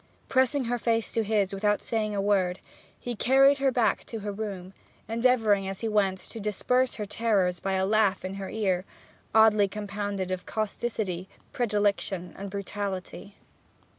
Pressing her face to his without saying a word, he carried her back to her room, endeavouring as he went to disperse her terrors by a laugh in her ear, oddly compounded of causticity, predilection, and brutality.